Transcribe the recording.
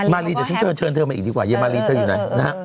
มารีเดี๋ยวฉันเชิญเธอมาอีกดีกว่าเยมารีเธออยู่ไหนนะฮะ